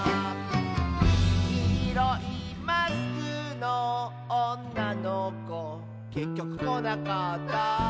「きいろいマスクのおんなのこ」「けっきょくこなかった」